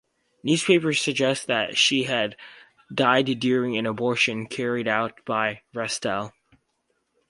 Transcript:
Newspapers suggested that she had died during an abortion carried out by Restell.